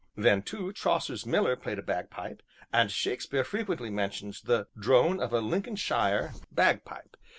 Then, too, Chaucer's Miller played a bagpipe, and Shakespeare frequently mentions the 'drone of a Lincolnshire Bagpipe.'